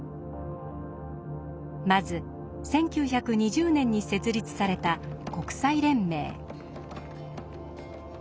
まず１９２０年に設立された国際連盟。